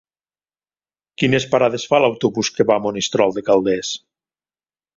Quines parades fa l'autobús que va a Monistrol de Calders?